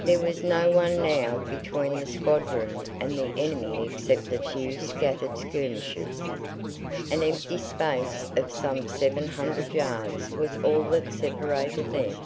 There was no one now between the squadron and the enemy except a few scattered skirmishers. An empty space of some seven hundred yards was all that separated them.